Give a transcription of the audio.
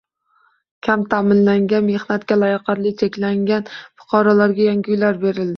Kam ta’minlangan, mehnatga layoqati cheklangan fuqarolarga yangi uylar berildi